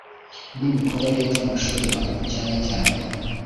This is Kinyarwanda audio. nimikorere by’amashuri makuru cyane cyane